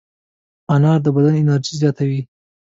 انار د بدن انرژي زیاتوي.